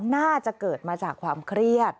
น่าจะเกิดมาจากความเครียด